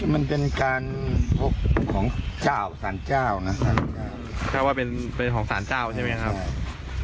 มันเป็นการพกของเจ้าสารเจ้านะเจ้าว่าเป็นของสารเจ้าใช่ไหมครับ